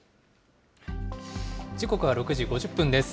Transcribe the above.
時刻は６時５０分です。